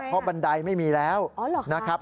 เพราะบันไดไม่มีแล้วนะครับ